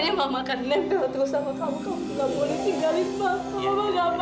iya mama akan nempel terus sama kamu kamu juga boleh tinggalin mama